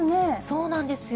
そうなんですよ。